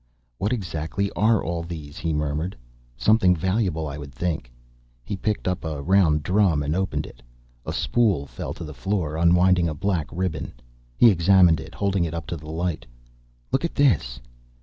"What exactly are all these?" he murmured. "Something valuable, I would think." He picked up a round drum and opened it. A spool fell to the floor, unwinding a black ribbon. He examined it, holding it up to the light. "Look at this!"